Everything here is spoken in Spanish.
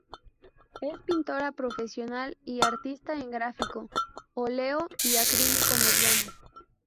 Es pintora profesional y artista en grafito, óleo y acrílico mediano.